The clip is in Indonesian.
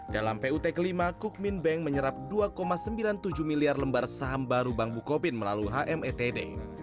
dalam put kelima kukmin bank menyerap dua sembilan puluh tujuh miliar lembar saham baru bank bukopin melalui hmetd